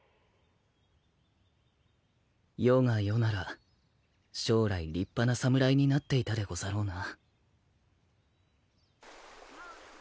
世が世なら将来立派な侍になっていたでござろうな。